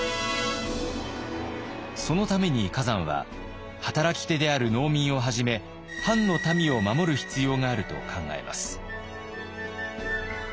そのために崋山は働き手である農民をはじめ藩の民を守る必要があると考えます。